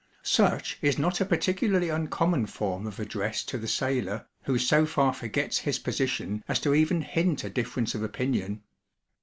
Such is not a particularly uncommon form of address to the sailor, who so far forgets his position as to even hint a difference of opinion.